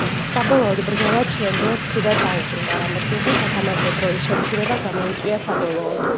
საბოლოოდ ბრძოლა ჩენდლერს ცუდად დაუბრუნდა, რამაც მისი სათამაშო დროის შემცირება გამოიწვია საბოლოოდ.